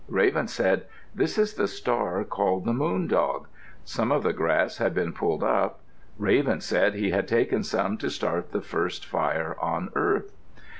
Raven said, "This is the star called the moon dog." Some of the grass had been pulled up. Raven said he had taken some to start the first fire on earth.